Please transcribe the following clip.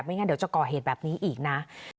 งั้นเดี๋ยวจะก่อเหตุแบบนี้อีกนะ